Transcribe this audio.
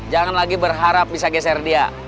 jangan lagi berharap bisa geser dia